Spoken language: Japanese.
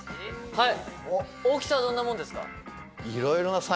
はい。